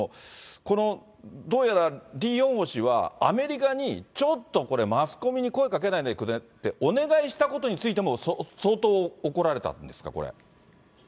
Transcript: このどうやら、リ・ヨンホ氏は、アメリカにちょっとこれ、マスコミに声かけないでくれって、お願いしたことについても相当怒られたんですか、これ。